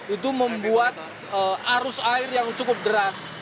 itu membuat arus air yang cukup deras